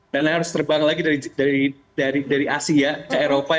dan harus terbang lagi dari asia ke eropa